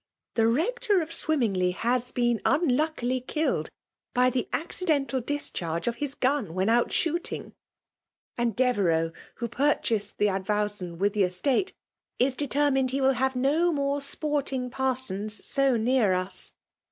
''Hie'Beetir of Swimmingley hak been unluckily kiUed by Ae accidental discharge of his g^n whett out shooting; and Devereux^ who ptBthased, the advo'WBon with the estate, is determined he will have no more sporting parsons so ifiea:r us.